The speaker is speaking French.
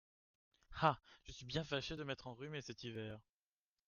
Ah ! je suis bien fâché de m’être enrhumé cet hiver !